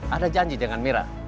ada janji dengan mira